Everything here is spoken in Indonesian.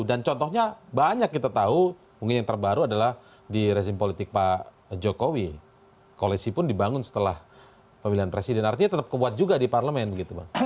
artinya tetap kebuat juga di parlemen gitu bang